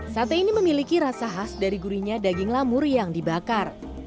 sate ini memiliki rasa khas dari gurinya daging lamur yang dibakar